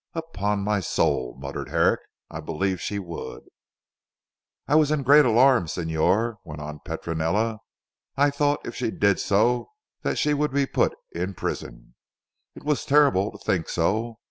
"Upon my soul," muttered Herrick, "I believe she would." "I was in great alarm Signor," went on Petronella. "I thought if she did so, that she would be put in prison. It was terrible to think so.